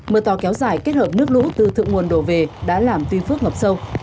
mưa to kéo dài kết hợp nước lũ từ thượng nguồn đổ về đã làm tuy phước ngập sâu